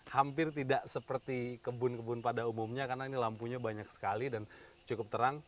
hampir tidak seperti kebun kebun pada umumnya karena ini lampunya banyak sekali dan cukup terang